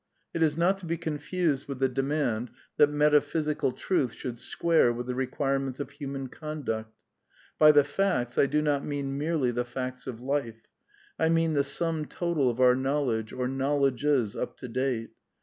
It is not to be confused with the demand tiiat meta physical truth should square with the requirements of human conduct. By the " facts " I do not mean merely the facts of life. I mean the smn total of our knowledge, or knowledges up to date.